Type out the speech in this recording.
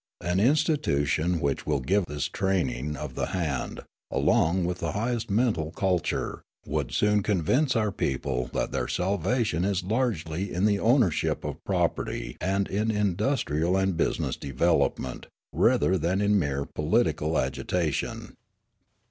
An institution which will give this training of the hand, along with the highest mental culture, would soon convince our people that their salvation is largely in the ownership of property and in industrial and business development, rather than in mere political agitation.